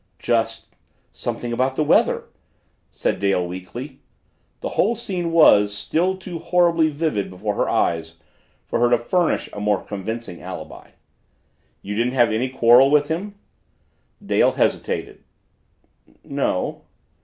"Just something about the weather," said Dale weakly. The whole scene was, still too horribly vivid before her eyes for her to furnish a more convincing alibi. "You didn't have any quarrel with him?" Dale hesitated. "No."